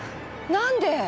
何で？